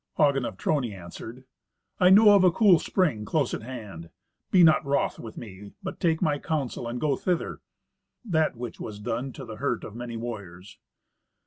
Hagen of Trony answered, "I know of a cool spring close at hand. Be not wroth with me, but take my counsel, and go thither." The which was done, to the hurt of many warriors.